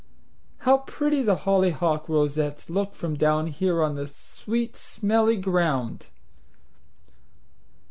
How pretty the hollyhock rosettes look from down here on the sweet, smelly ground!